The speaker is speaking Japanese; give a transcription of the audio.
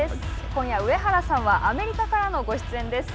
今夜、上原さんはアメリカからのご出演です。